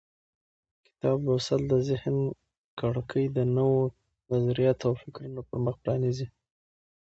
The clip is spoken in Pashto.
کتاب لوستل د ذهن کړکۍ د نوو نظریاتو او فکرونو پر مخ پرانیزي.